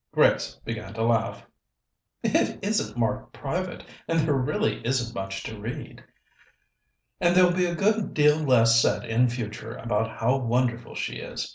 Grace began to laugh. "It isn't marked private, and there really isn't much to read." " and there'll be a good deal less said in future about how wonderful she is.